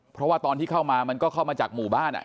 เพราะว่าตอนที่เข้ามามันก็เข้ามาจากหมู่บ้าน